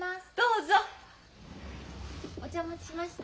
お茶お持ちしました。